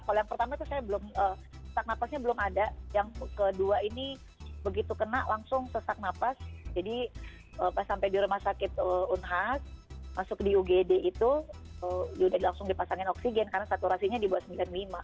kalau yang pertama itu saya belum sesak nafasnya belum ada yang kedua ini begitu kena langsung sesak nafas jadi pas sampai di rumah sakit unhas masuk di ugd itu sudah langsung dipasangin oksigen karena saturasinya di bawah sembilan puluh lima